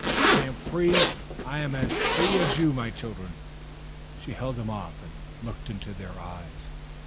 I am free! I am as free as you, my children!" She held them off and looked into their eyes.